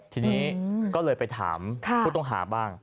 ทีนี้ก็เลยไปถามผู้ต้องหาบ้าง